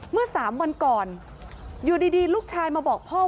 เมื่อ๓วันก่อนอยู่ดีลูกชายมาบอกพ่อ